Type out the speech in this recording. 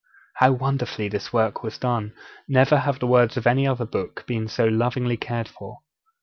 How wonderfully this work was done! Never have the words of any other book been so lovingly cared for.